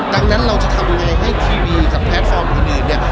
ดังนั้นเราจะทำยังไงให้ทีวีกับแพลตฟอร์มอื่นเนี่ย